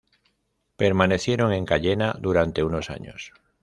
Permanecieron en Cayena durante unos años.